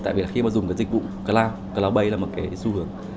tại vì khi dùng dịch vụ cloud cloud bay là một xu hướng